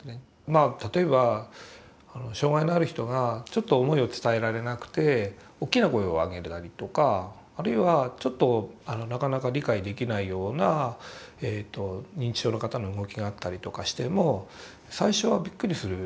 まあ例えば障害のある人がちょっと思いを伝えられなくておっきな声を上げたりとかあるいはちょっとなかなか理解できないような認知症の方の動きがあったりとかしても最初はびっくりする。